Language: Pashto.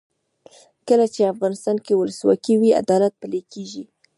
کله چې افغانستان کې ولسواکي وي عدالت پلی کیږي.